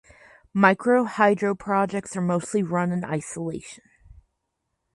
Micro hydro projects are mostly run in isolation.